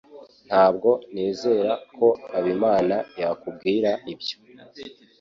Ntabwo nizera ko Habimana yakubwira ibyo.